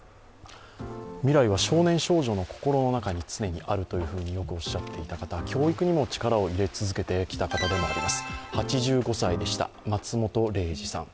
未来は少年少女の心の中に常にあるとよくおっしゃっていた方、教育にも力を入れ続けてきた方でもあります。